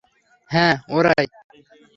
হ্যাঁ, ওরাই!